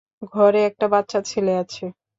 ঘরে একটা বাচ্চা ছেলে আছে।